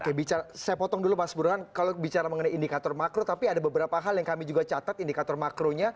oke saya potong dulu mas burhan kalau bicara mengenai indikator makro tapi ada beberapa hal yang kami juga catat indikator makronya